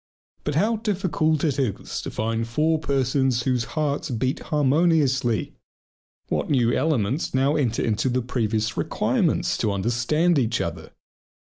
But how difficult it is to find four persons whose hearts beat harmoniously! What new elements now enter into the previous requirements "to understand each other!"